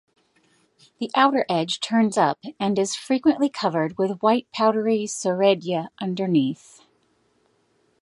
The outer edge turns up and is frequently covered with white powdery soredia underneath.